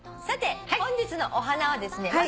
さて本日のお花はですね